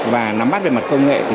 và nắm bắt về mặt công nghệ